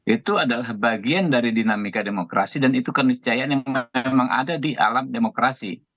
itu adalah bagian dari dinamika demokrasi dan itu keniscayaan yang memang ada di alam demokrasi